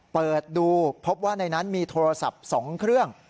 เปิดดูพบว่าในนั้นมีโทรศัพท์๒เครื่อง